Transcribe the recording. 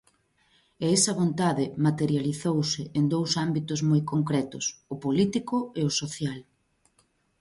E esa vontade materializouse en dous ámbitos moi concretos: o político e o social.